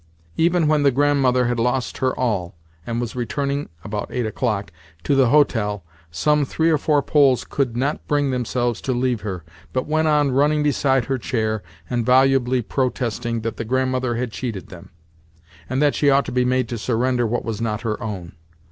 Even when the Grandmother had lost her all, and was returning (about eight o'clock) to the hotel, some three or four Poles could not bring themselves to leave her, but went on running beside her chair and volubly protesting that the Grandmother had cheated them, and that she ought to be made to surrender what was not her own.